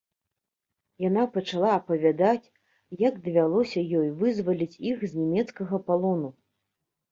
Яна пачала апавядаць, як давялося ёй вызваліць іх з нямецкага палону.